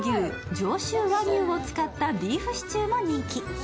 上州和牛を使ったビーフシチューも人気。